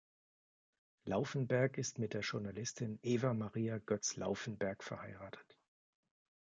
Laufenberg ist mit der Journalistin Eva-Maria Götz-Laufenberg verheiratet.